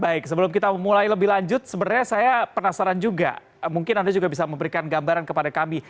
baik sebelum kita mulai lebih lanjut sebenarnya saya penasaran juga mungkin anda juga bisa memberikan gambaran kepada kami